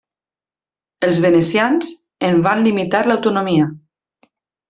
Els venecians en van limitar l'autonomia.